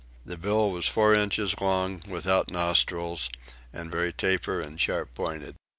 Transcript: The bill was four inches long, without nostrils, and very taper and sharp pointed.